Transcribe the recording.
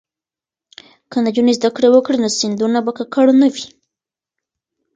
که نجونې زده کړې وکړي نو سیندونه به ککړ نه وي.